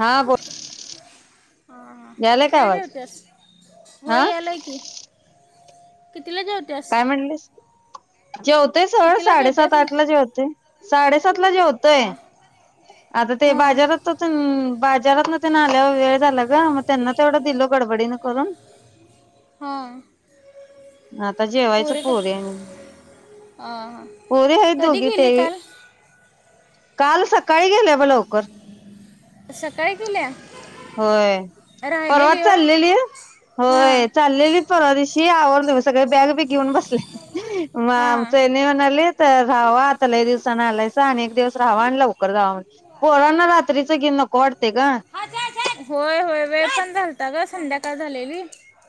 हा बोल ह यालाय का किती वे आवाज ठेवतेस हा वय आलाय की कितीला जेवत्यास काय म्हणलीस जेवतोय सोर साडेसात आठ ला जेवतोय. साडे. सात लाख ठेवतोय हां आता ते हां बाज्यारातल आ बाजा रात ना त्यांना आल्यावर वेळ झाला ग मग त्यांना तेवढं दिलो गडबडीन करून. हांआं. [inaudible] आता जेवायचं पोरी आणि हां हां पोरी हायत कधी दोघी गेली टेवी काल काल सकाळी गेल्या ब लवकर. सकाळी गेल्या. होय परवा राहिलेली हो चाललेली हां होय चाललेली परवा दिव ती आवर् बघ सगळ बॅग बी घेऊन बसल्या. म हां आमचं हेणी म्हणालेत. तर राहावा आता लय दिवसानं आलासा आणि एक दिवस राहावा आणि लवकर जावा म्हटलं पोरना रात्रीच घेवून नको वाट [inaudible] होय होय वेळ पण झालता गं संध्याकाळ झालेली.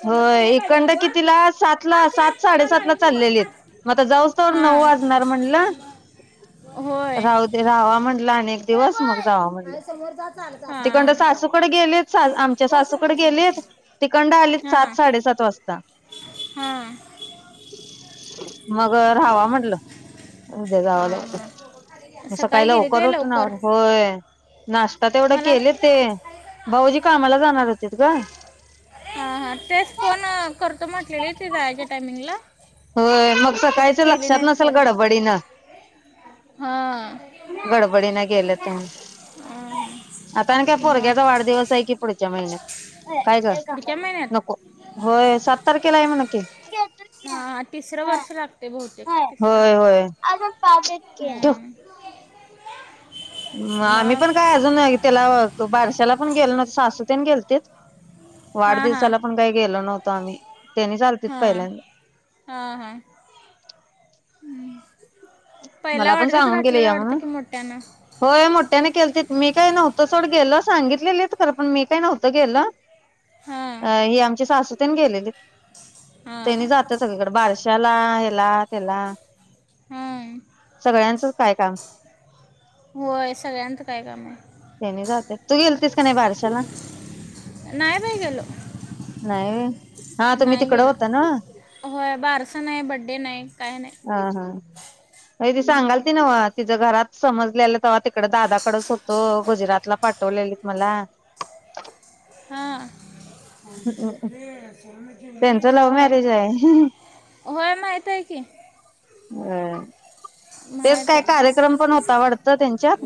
तोंडातून होय हे पाहिजे का इकंड बोल कितीला सात हा ला सात तेच तोंडाला साडेसात ला लागेल ते बोल चालेलीत हाच मग आता जाऊ तवर नऊ हां वाजणार म्हटलं होय राहू दे रावा म्हणलं. अनेक दिवस मग जाव म्हटलं आई समोर जा चालत तिकंड हां सासूकड गेलीत आमच्या जा सासूकड समोर समोर गेलित समोर तिकंड आलीत सात हां साडेसात वाजता हां मग राहावा म्हटलं उद्या जाव हां हां लवकर सकाळी गेले लवकर ते उठुन होय नाश्ता तेवढं मला केल ते भाऊजी कामाला जाणार होते गं. हां तेच फोन करतो म्हटलेली ती जायाच्या टायमिंगला होय मग कुठे सकाळच केले लक्षात नाहीत नसेल फोन गडबडीनं हां. गडबडीन हां [inaudible] आता आणि काय मग पोरग्याचा वाढदिवस आहे कि पुढच्या महिन्यात काय गं. पुढच्या नको महिन्यात होय सात तारखेला आहे मन कीे हां तिसरं वर्ष लागते बहुतेक तिसरं होय होय. हम्म. मं आम्ही पण मग काय अजून त्याला बारशाला पण गेलो नसं सासूतेन गेलतीत. वाढदिवसाला पण काय गेल नव्ह ता मी. हा हा हा हम्म. मला पण सांगून गेले या वाटतं म्हणून की मोठ्यानं होय मोठ्यानं केलंतित. मी काय नव्हतो सोड गेलं सांगितले लित खरं पण मी काय नव्हत गेलं. हां अं हि आमची सासू. पण गेलेलीत. हां तेनी हां जाता सगळीकडे बारशी चला हेला तेला. हां काम होय सगळ्यांच काय काम हाय. ते नी जालत्यात तू गेलतीस का नाही बारशाला. नाही बाई गेलो नाही व्हय हा तुम्ही नाही तिकडं होता ना गेलो होय बारस नाही बड्डे नाही काय नाही. अय ती सांगाल ती नाव आज. तिचं घरात समजलेलं तव्हा तिकड दादाकड सोप तो गुजरातला पाठवलेलीत मला. ह होय त्यांचं लव्ह मॅरेज आहे. होय माहित की. हम्म. तेच माहीत काय आहे कार्यक्रम पण होता वाडत त्यांच्यात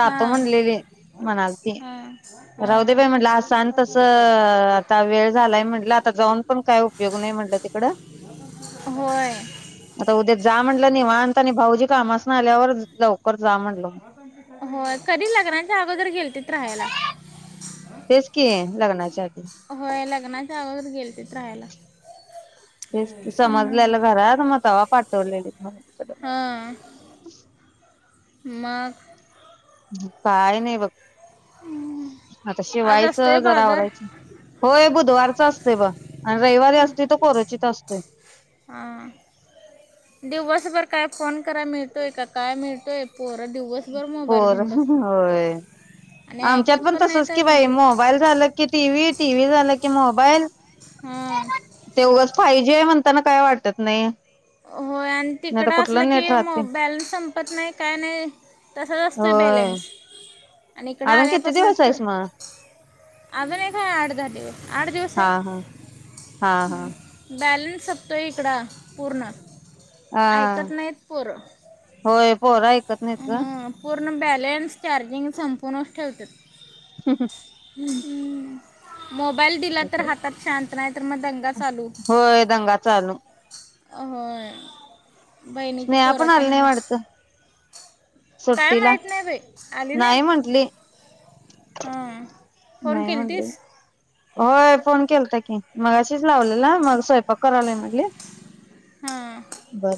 खातो हां म्हणलेली म्हणल ती हां राहूदे हां बाई म्हटलं अस आन तस अ आत्ता वेळ झालाय म्हटलं आत्ता जाऊन पण काय उपयोग नाय तिकड होय आत्ता उद्या जा म्हणलं तिकड. तेव्हा आणतांनी भाऊजी कामासन आल्यावर लवकर जा म्हटल. होय कधी लग्नाच्या अगोदर गेलतेत राहायला. तेेच की लग्नाच्या आधी. काय लग्नाच्या अगोदर गेलते काय? तेच की समजलेलं घरात. म तवा पाठवलेली. हा. [unintelligible] हा. म. काय नाही बघ आता आज शिवायचं असतोय जरा बाजार आवरायच. होय बुधवारचं असतय बघ. आन रविवारी असतोय तो कोरोचीत. च असतय. हा दिवसभर काय फोन कराय मिळतोय क काय मिळतोय? पोरं दिवसभर मोबाईल पोर घेऊन बसतो होय. आणि आमच्यात ऐकत पण नाही तसच तर की बाई गं. मोबाईल झालं की टीव्ही, टीव्ही झाला की मोबाईल. हां ते उगाच पाहिजे म्हणताना काय वाटत नाही. होय. आणि नाही तर तिकड असलं कुठलं नेट की राहते बॅलन्स संपत नाही काय नाही. तसाच असतोय होय बॅलन्स. आणि इकडं अजून किती आल्यापासन, दिवस आहेस मग अजून एक हाय आठ दहा दिवस. आठ दिवस हा आहे. हा हा हा बॅलन्स संपतोय इकडं पूर्ण हा.. ऐकत नाहीत पोरं होय पोर ऐ कत नाहीत ग. हं, पूर्ण बॅलन्स चार्जिंग संपुनच ठेवत्यात. हम् हम. ह. मोबाईल दिला तर हातात शांत, नाही तर मग दंगा चालू. होय दंगा चालू अ होय. बहिणीची स्नेहा पोर पण तेन आली नाही हायत. वाटतं काय सुट्टीला माहित नाही बाई. आली नाही? हा. फोन नाही म्हंटली केलतीस. होय फोन केलता की. मगाशीच लावलेला मग स्वयंपाक करायलोय म्हणली. बर.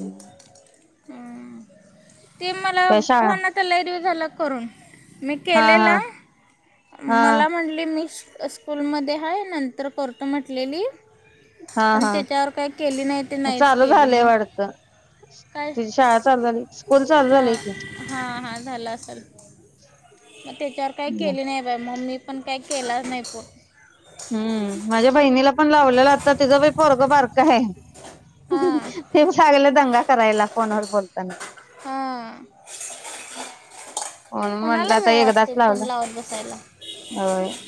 ह. ते मला काय शाळा फोन आता लई दिवस झालं करून मी हा हा केलेलं हा मला म्हटली मी स्कूलमध्ये हाय नंतर करतो म्हंटलेली. हा पण हा त्याच्यावर काय केली नाही ते नाहीच चालू केली झालंय मग. वाटतं तुझी शाळा चालु झाली. स्कूल चालू हा झालंय हा हा झाला असलं. मग त्याच्यावर काय की केले नाही बाई मग मी पण काय केलाच नाही फोन. हम्म माझ्या बहिणीला पण लावलेला, आत्ता तिचं बी पोरगं बारकं हाय. हां ते सांगाले दंगा करायला फोनवर बोलताना. हां होण म्हणलं कोणाला आता वेळ एकदाच असते फोन लावला लावत बसायला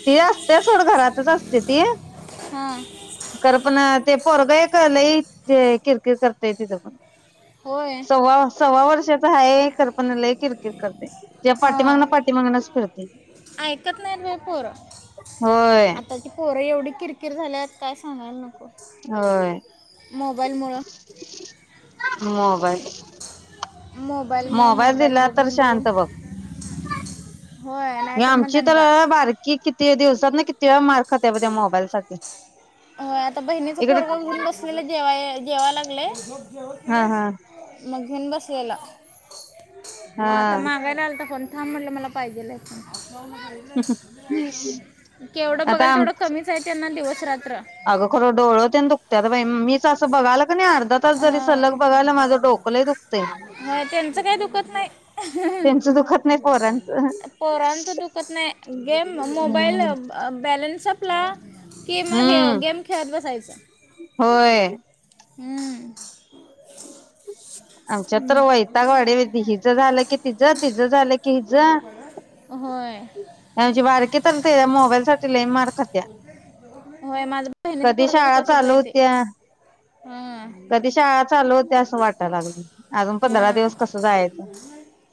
ती असतीया सोड घरातच असते ती हां खर पण ते पोरग एक नाही ते किरकिर करतय तिथं पण होय सव्वा सव्वा वर्षाचा हाये खर पण लय किरकिर करतयं हा ऐकत नाहीत बाई पोरं होय आताची पोरं एवढी किर किर झाल्यात काय सांगायला नको होय मोबाईलमुळं मोबाईल मोबाईलमुळं मोबाईल दिला तर बघून बघून शांत बघ होय ही नाहीतर मग आमची तर दंगा बारकी किती दिवस बघ ना किती वेळा मार खातीया ब त्या मोबाईल साठी होय आता बहिणीचा इकडे पोरग घेऊन बसलेला जेवा जेवा लाग लय हा हा मग घेऊन बसलेला मग हा आता मागायला आलता फोन थांब म्हटलं मला पाहिजे ल फोन केवढं आता बघल आम थेवड कमीचय त्यांना दिवस अ रात्र अगं खरं डोळ तेन दुखत्यात बाई मीच असं बघाल कनी अर्धा ता दुखतंय हा त्येंचं काय दुखत नाई त्यांचं दुखत नाही पोरांचं. पोरांचं दुखत नाही गेम मोबाईल हम्म. बॅलन्स सपला की मग हे हम्म गेम खेळत बसायचं होय. हम्म आमच्यात तर वैताग वाडी हिजं झालं की तिच तिजं झालं की कि ज होय आची बारकी चालते मोबाईल साठी लई मारखत्या होय माझं बहिणीचं कधी पोरग बी शाळा तसंच चालू आहे ते होत्या हां कधी शाळा चालू होत्या असं वाटत लाग अजून पंधरा हां दिवस कसं जायाचं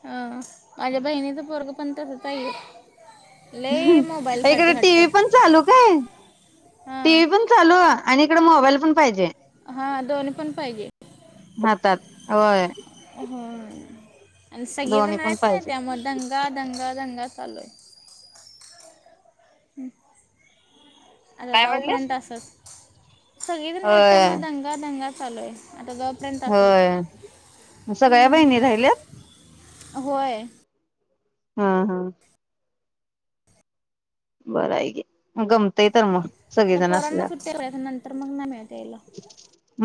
हां माझ्या बहिणीच पोरग पण तसचय इकडे टी वी पण चालू काय हां टीव पण चालू आणि इकड मोबाईल पण पाहिजे हा दोन पण पाहिजे म्हातात होय ह आणि सगळि दोन्ही जण पण आहेत कनी पाहिजे त्यामुळे दंगा दंगा दंगा चाललंय. आता काय म्हणलीस? जाऊपर्यंत असच. सगळे जण आहेत त्या होय मुळ दंगा दंगा. चाललंय. होय सगळ्या बहिणी राहिल्यात. होय हा हा. बरं आहे की म गमतय तर मग. आता सगळेजण पोरांना असल्यावर सुट्ट्या आहेत नंतर मग नाय मिळत यायला.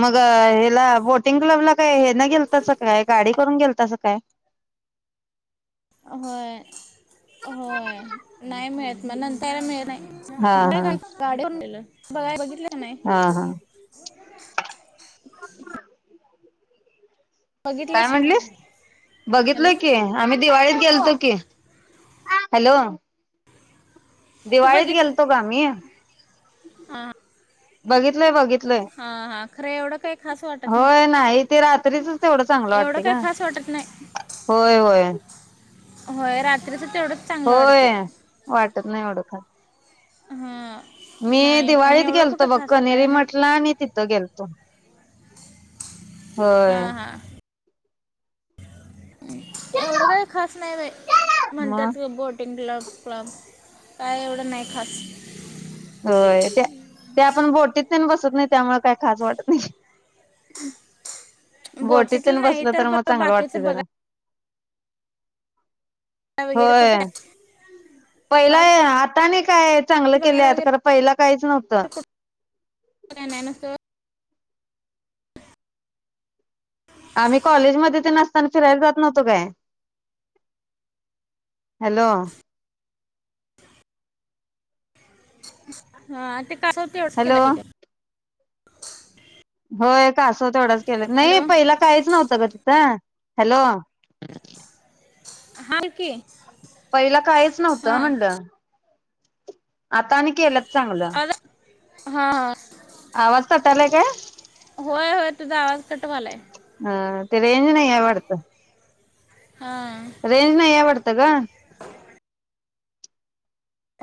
मग हेला बोटिंग क्लब ला काय हे ना गेलतासा काय गाडी करून गेलतासा काय. व्हय व्हय नाही मिळत मग नंतरला मिळत नाही. हा होय हा काय गाडीवरून नेलं. बघाय बघितलं हे नाही. हा हा काय बघितलंस म्हणलीस बघितलोय हॅलो की. आम्ही दिवाळीत गेलतो की हॅलो. तू दिवाळीत बघितली गेलतो ग आम्ही. हां बघितलंय बघित. हां हां खरं एवढं काही खास वाटत होय नाही ते रात्रीचच तेवढं चांगलं एवढं वाटतंय काही ग खास वाटत नाही होय होय होय रात्रीच होय वाटत नाही एवढ खर. हा मी दिवाळीत गेलतो बघ कणेरी काय नाही मठला आणि तिथं गेलतो. ह् [inaudible] हा हा. एवढं काय खास नाय बाई मग म्हणत्यात ते बोटिंग. क्लब क्लब काय एवढं नाही खास होय ते ते आपण बोटीत बसत नाही त्यामुळ काय खास वाटत नाही. बोटीतलं बोटीतून नाही बसलं तर ब मग चांगलं वाटतय बाकीचं बघा जरा. वगैरे होय कुठं पहिला बाग हातांनी. चांगलं बघायला केल्यात. तर वगैरे पहिला काहीच नव्हतं. कुठं काय नाय नुसतं. आम्ही कॉलेज मध्ये ते नसताना फिरायला जात नव्हतो काय हॅलो हा ते शेवट हॅलो केला की तो. होय कासव केलं नाही हॅलो पहिल काहीच नव्हतं ग तिथं हॅलो हाय की. पहिला कायच नव्हतं हा म्हंडल आता अनी केल्यात चांगल आवाज हा हा आवाज तटालाय काय? कटवालाय ह ते रेंज नाही आहे वाटत. हा रेंज नाहीय वाडत. त ग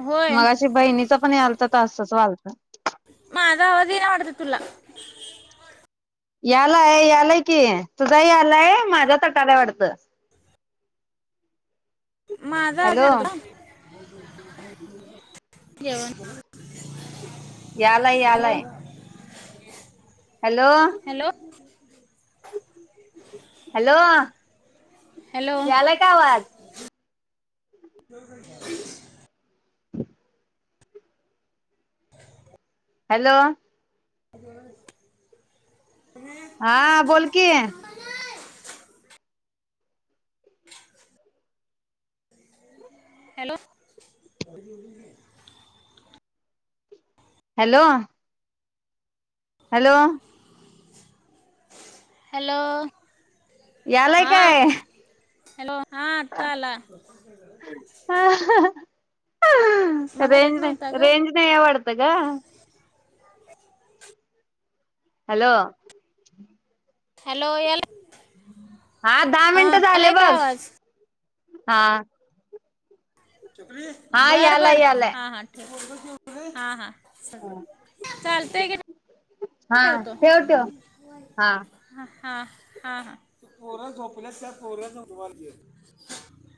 होय मगाशी बहिणीच पण याल. त असंच वालतं माझा आवाज येईना वाटतं तुला यालाय यालाय कि तुझा यालाय माझ्या तटाला वाटत. माझा अमी अडकला. जेवण यालाय हॅलो यालाय हॅलो हॅलो हॅलो हॅलो यालाय काय आवाज? [inaudible] [inaudible] हॅलो ग हा बोल की हॅलो हॅलो हॅलो हॅलो यालाय हा काय हॅलो हा आता आला मग रेंज येत नव्हता नाही ग रेंज नाहीय वाडत ग. हॅलो! हॅलो! याला हा दहा हा मिनटं झाले आलाय का बघ. आवाज हा हा बरं यालाय बरं यालाय हा हा ठीक हा हा [unintelligible] चालतंय घे हा ठेव ठेव हा. हा हा ह पोऱ झोपल्यात त्यात पोऱासनी उटवालतीत.